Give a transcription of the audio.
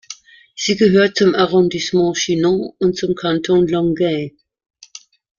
Sie gehört zum Arrondissement Chinon und zum Kanton Langeais.